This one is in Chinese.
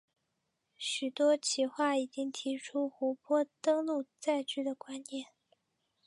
许多企划已经提出湖泊登陆载具的观念。